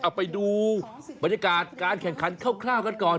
เอาไปดูบรรยากาศการแข่งขันคร่าวกันก่อน